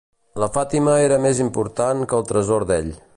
La Fatima era més important que el tresor d'ell.